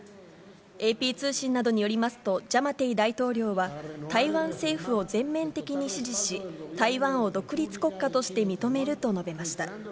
ＡＰ通信などによりますと、ジャマテイ大統領は、台湾政府を全面的に支持し、台湾を独立国家として認めると述べました。